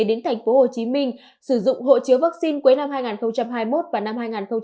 đến thành phố hồ chí minh sử dụng hộ chiếu vaccine cuối năm hai nghìn hai mươi một và năm hai nghìn hai mươi hai